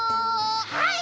はい！